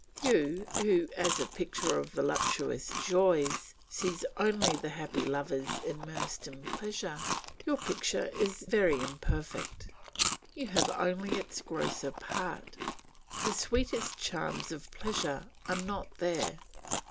You who, as a picture of voluptuous joys, see only the happy lovers immersed in pleasure, your picture is very imperfect; you have only its grosser part, the sweetest charms of pleasure are not there.